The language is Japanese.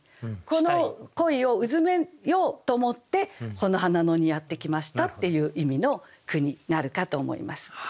この恋をうづめようと思ってこの花野にやって来ましたっていう意味の句になるかと思います。